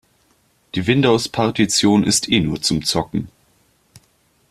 Die Windows-Partition ist eh nur zum Zocken.